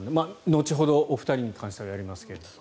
後ほどお二人に関してはやりますが。